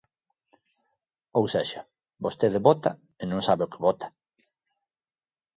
Ou sexa, vostede vota e non sabe o que vota.